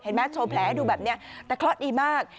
เห็นไหมโชว์แผลดูแบบนี้แต่เขาดีมาก